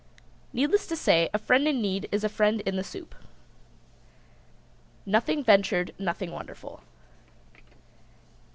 Needless to say, a friend in need is a friend in the soup. Nothing ventured nothing wonderful.